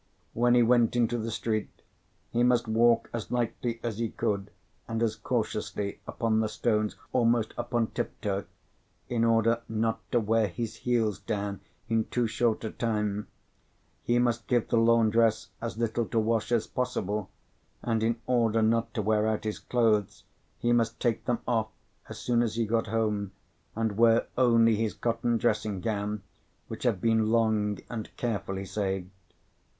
When he went into the street, he must walk as lightly as he could, and as cautiously, upon the stones, almost upon tiptoe, in order not to wear his heels down in too short a time; he must give the laundress as little to wash as possible; and, in order not to wear out his clothes, he must take them off, as soon as he got home, and wear only his cotton dressing gown, which had been long and carefully saved.